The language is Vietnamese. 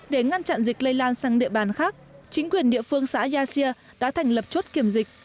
để ngăn chặn dịch lây lan sang địa bàn khác chính quyền địa phương xã gia xia đã thành lập chốt kiểm dịch